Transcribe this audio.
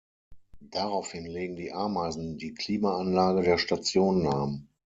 Daraufhin legen die Ameisen die Klimaanlage der Station lahm.